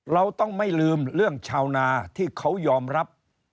เราต้องไม่ลืมเรื่องชาวนาที่เขายอมรับ